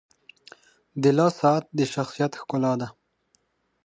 • د لاس ساعت د شخصیت ښکلا ده.